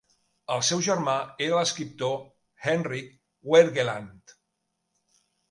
El seu germà era l'escriptor Henrik Wergeland.